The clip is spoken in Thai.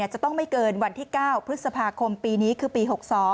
จะต้องไม่เกินวันที่๙พฤษภาคมปีนี้คือปี๖๒